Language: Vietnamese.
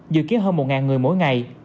dự kiến hơn một người mỗi ngày